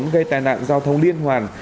gây tai nạn giao thông liên hoàn